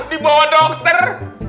di bawah dokter